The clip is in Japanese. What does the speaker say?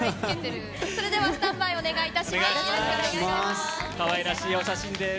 それではスタンバイをお願いします。